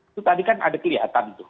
itu tadi kan ada kelihatan tuh